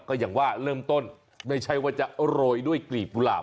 ก็อย่างว่าเริ่มต้นไม่ใช่ว่าจะโรยด้วยกลีบกุหลาบ